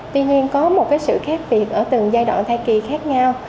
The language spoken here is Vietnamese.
tuy nhiên có một sự khác biệt ở từng giai đoạn thai kỳ khác nhau